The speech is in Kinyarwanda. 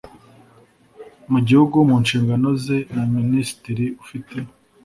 mu gihugu mu nshingano ze na minisitiri ufite